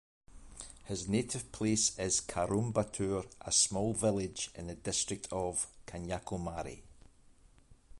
His native place is Karumbattoor, a small village in the district of Kanyakumari.